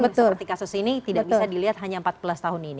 seperti kasus ini tidak bisa dilihat hanya empat belas tahun ini